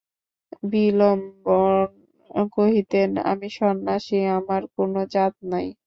বিল্বন কহিতেন, আমি সন্ন্যাসী, আমার কোনো জাত নাই।